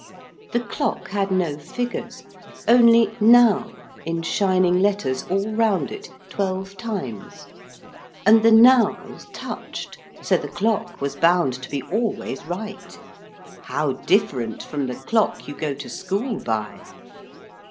The clock had no figures, only Now in shining letters all round it, twelve times, and the Nows touched, so the clock was bound to be always right. How different from the clock you go to school by!